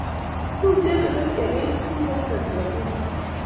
Tuten ele kiyaklen tukul en Tanzania